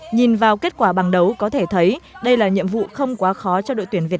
nhìn vào kết quả bảng đấu có thể thấy đây là nhiệm vụ không quá khó